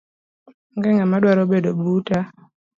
Onge ngama dwaro bedo buta